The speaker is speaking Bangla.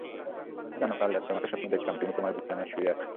জানো কাল রাতে তোমাকে স্বপ্নে দেখলাম, তুমি তোমার বিছানায় শুয়ে আছো।